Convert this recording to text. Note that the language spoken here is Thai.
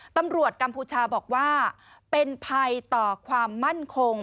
กัมพูชาบอกว่าเป็นภัยต่อความมั่นคง